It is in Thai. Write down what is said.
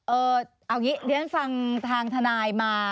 เอาอย่างนี้ดิฉันฟังทางธนาคารมา